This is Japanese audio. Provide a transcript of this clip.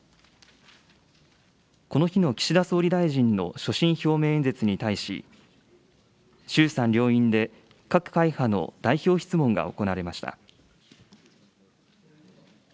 この日の岸田総理大臣の所信表明演説に対し、衆参両院で各会派の代表質問が行われました。